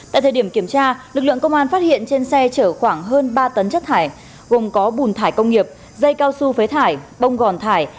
tại thời điểm kiểm tra lực lượng công an phát hiện trên xe chở khoảng hơn ba tấn chất thải gồm có bùn thải công nghiệp dây cao su phế thải bông gòn thải